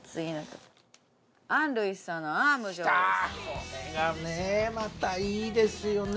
これがねまたいいですよね